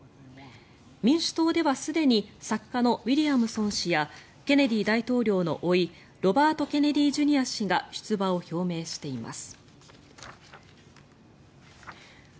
民主党ではすでに作家のウィリアムソン氏やケネディ大統領のおいロバート・ケネディ・ジュニア氏が出馬を表明しています。